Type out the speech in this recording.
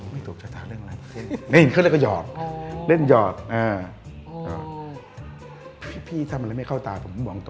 ไม่ถูกชะตาแล้ว